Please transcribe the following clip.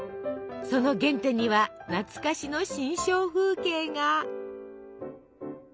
その原点には懐かしの心象風景が。